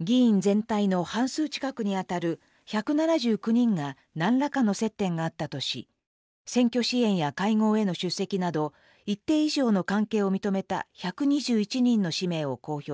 議員全体の半数近くにあたる１７９人が何らかの接点があったとし選挙支援や会合への出席など一定以上の関係を認めた１２１人の氏名を公表しました。